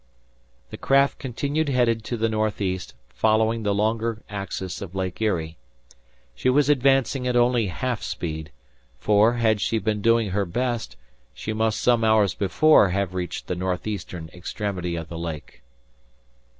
The craft continued headed to the northeast, following the longer axis of Lake Erie. She was advancing at only half speed; for, had she been doing her best, she must some hours before have reached the northeastern extremity of the lake.